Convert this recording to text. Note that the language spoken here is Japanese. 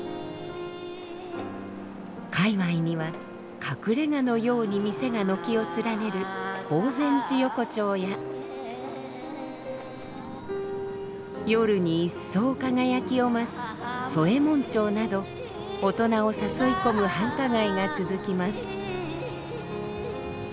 界わいには隠れ家のように店が軒を連ねる法善寺横丁や夜に一層輝きを増す宗右衛門町など大人を誘い込む繁華街が続きます。